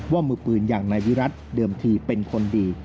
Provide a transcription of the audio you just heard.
ว่ามือปืนอย่างนายวิรัติเดิมทีเป็นคนดี